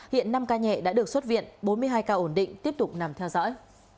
hiện năm ca nhẹ đã được xuất viện bốn mươi hai ca ổn định tiếp tục nằm theo dõi